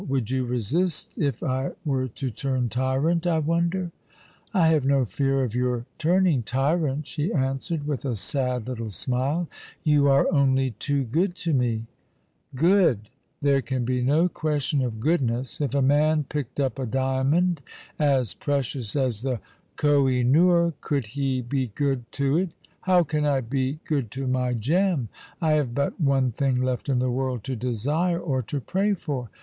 "Would you resist if I were to turn tyrant, I wonder ?" "I have no fear of your turning tyrant/' she answered, with a sad little smile ;" you are only too good to me.'* " Good ! There can be no question of goodness. If a man picked up a diamond as precious as the Koh i noor, could he be good to it ? How can I be good to my gem ? I have but one thing left in the world to desire, or to pray for."